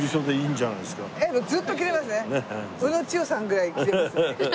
宇野千代さんぐらい着れますね。